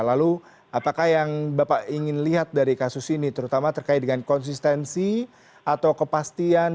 lalu apakah yang bapak ingin lihat dari kasus ini terutama terkait dengan konsistensi atau kepastian